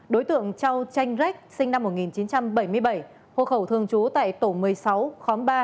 đối tượng châu tranh rét sinh năm một nghìn chín trăm bảy mươi bảy hộ khẩu thường trú tại tổ một mươi sáu khóm ba